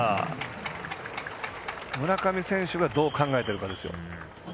村上選手がどう考えてるかです。